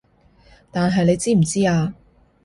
但係你知唔知啊